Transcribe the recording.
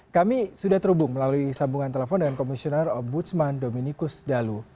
kami sudah terhubung melalui sambungan telepon dengan komisioner ombudsman dominikus dalu